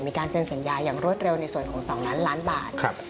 มีการเซ็นสัญญาอย่างรวดเร็วในส่วนของ๒ล้านล้านบาท